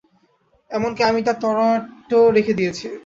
এমনকি আমি তার তরোয়ারটাও রেখে দিয়েছি।